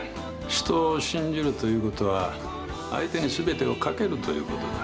人を信じるということは相手に全てをかけるということだ。